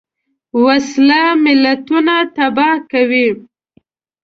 وسله ملتونه تباه کوي